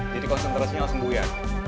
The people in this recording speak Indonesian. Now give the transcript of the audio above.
jadi konsentrasinya harus sembuh ya